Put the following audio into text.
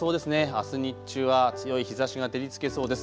あす日中は強い日ざしが照りつけそうです。